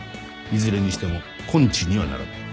いずれにしても根治にはならない。